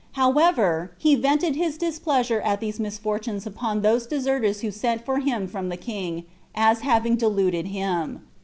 However, he vented his displeasure at these misfortunes upon those deserters who sent for him from the king, as having deluded him.